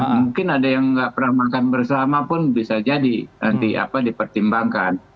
mungkin ada yang nggak pernah makan bersama pun bisa jadi nanti dipertimbangkan